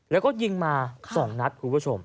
แล้วก็ยิงมา๒นัดคุณผู้ชม